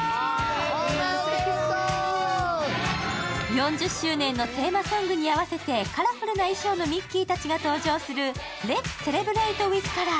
４０周年のテーマソングに合わせてカラフルな衣装のミッキーたちが登場するレッツ・セレブレイト・ウィズ・カラー。